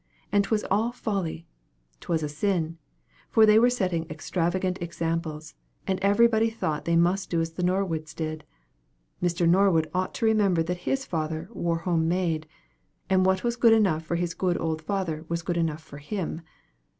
And 'twas all folly 'twas a sin; for they were setting extravagant examples, and every body thought they must do as the Norwoods did. Mr. Norwood ought to remember that his father wore home made; and what was good enough for his good old father was good enough for him.